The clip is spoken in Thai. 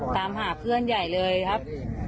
ตามหาเพื่อนใหญ่เลยครับ